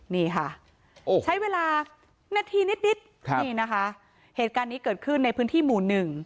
นี่ค่ะใช้เวลานาทีนิดนิดครับนี่นะคะเหตุการณ์นี้เกิดขึ้นในพื้นที่หมู่หนึ่ง